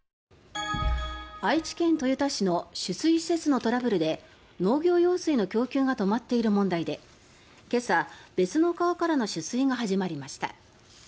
愛知県豊田市の取水施設のトラブルで農業用水の供給が止まっている問題で今朝、別の川からの取水が始まりました。